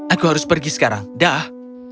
aku harus pergi sekarang dah